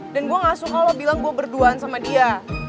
dan gue gak suka lo bilang gue berduaan sama dia